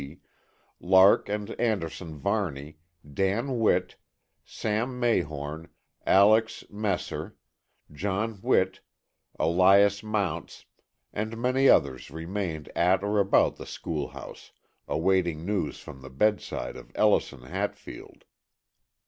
D., Lark and Anderson Varney, Dan Whitt, Sam Mayhorn, Alex Messer, John Whitt, Elijah Mounts and many others remained at or about the schoolhouse, awaiting news from the bedside of Ellison Hatfield.